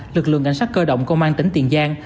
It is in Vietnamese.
lực lượng cảnh sát cơ động công an tỉnh tiền giang